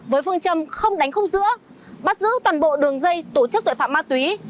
với phương châm không đánh khúc giữa bắt giữ toàn bộ đường dây tổ chức tội phạm ma túy